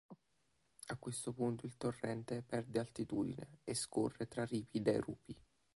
A questo punto il torrente perde altitudine e scorre tra ripide rupi.